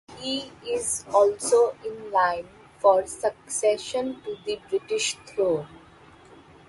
He is also in line for Succession to the British throne.